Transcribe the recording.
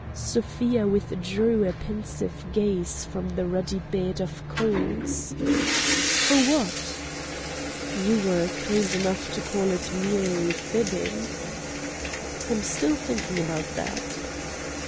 Sofia withdrew a pensive gaze from the ruddy bed of coals. "For what?" "You were kind enough to call it merely fibbing." "I'm still thinking about that."